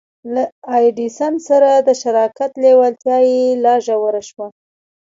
له ايډېسن سره د شراکت لېوالتیا يې لا ژوره شوه.